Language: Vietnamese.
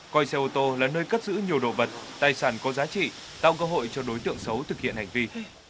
coi xe ô tô là nơi cất giữ nhiều đồ vật tài sản có giá trị tạo cơ hội cho đối tượng xấu thực hiện hành vi